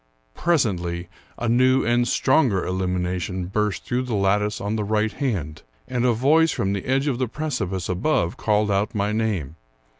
Presently a new and stronger illumination burst through the lattice on the right hand, and a voice from the edge of the precipice above called out my name.